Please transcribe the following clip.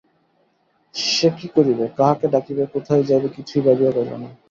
সে কী করিবে, কাহাকে ডাকিবে, কোথায় যাইবে কিছুই ভাবিয়া পাইল না।